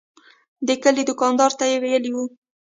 د کلي دوکاندار ته یې ویلي و.